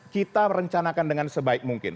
kita rencanakan dengan sebaik mungkin